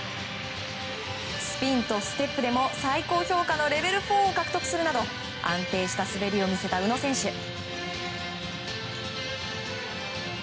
スピンとステップでも最高評価のレベル４を獲得するなど安定した滑りを見せた宇野選手。